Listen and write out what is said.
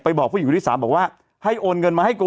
บอกผู้หญิงคนที่สามบอกว่าให้โอนเงินมาให้กู